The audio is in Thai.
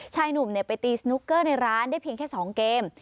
ชายหนุ่มไปตีสนุกเกอร์ในร้านได้เพียงแค่๒เกม